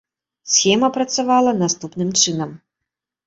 Схема працавала наступным чынам.